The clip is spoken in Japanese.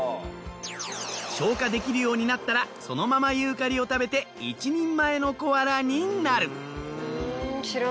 消化できるようになったらそのままユーカリを食べて一人前のコアラになる。